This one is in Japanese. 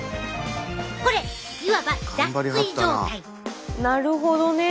これいわばなるほどね